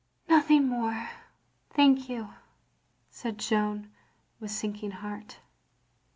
"Nothing more, thank you, " said Jeanne, with sinking heart.